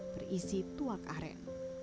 berisi tuak aren